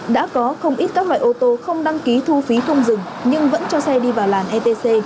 đã có không ít các loại ô tô không đăng ký thu phí không dừng nhưng vẫn cho xe đi vào làn etc